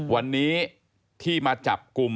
วันนี้ที่มาจับกลุ่ม